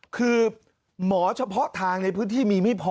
คือหมอเฉพาะทางในพื้นที่มีไม่พอ